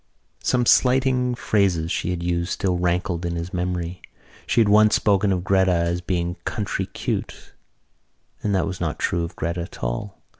Some slighting phrases she had used still rankled in his memory; she had once spoken of Gretta as being country cute and that was not true of Gretta at all.